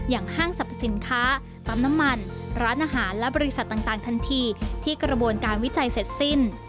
ห้างสรรพสินค้าปั๊มน้ำมันร้านอาหารและบริษัทต่างทันทีที่กระบวนการวิจัยเสร็จสิ้น